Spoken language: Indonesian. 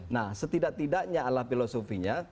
nah setidak tidaknya ala filosofinya